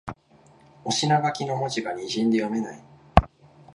お品書きの文字がにじんで読めない